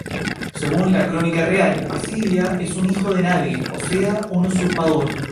Según la "Crónica Real" asiria, es un "hijo de nadie", o sea, un usurpador.